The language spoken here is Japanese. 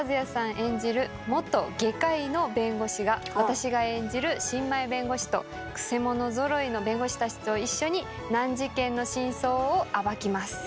演じる元外科医の弁護士が私が演じる新米弁護士とくせ者ぞろいの弁護士たちと一緒に難事件の真相を暴きます。